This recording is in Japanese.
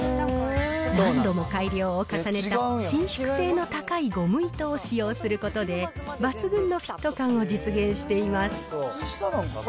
何度も改良を重ねた伸縮性の高いゴム糸を使用することで、抜群のフィット感を実現しています。